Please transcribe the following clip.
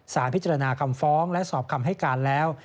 พิจารณาคำฟ้องและสอบคำให้การแล้ว